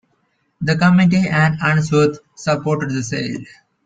The committee and Unsworth supported the sale.